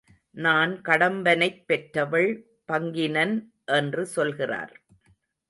நன் கடம்பனைப் பெற்றவள் பங்கினன் என்று சொல்கிறார்.